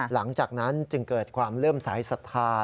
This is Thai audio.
หลังจากนั้นจึงเกิดความเลื่อมสายศรัทธา